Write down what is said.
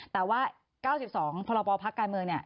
แต่ว่า๙๒พปพักกันเมือง